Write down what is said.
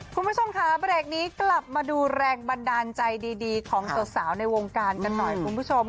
คุณผู้ชมค่ะเบรกนี้กลับมาดูแรงบันดาลใจดีของสาวในวงการกันหน่อยคุณผู้ชม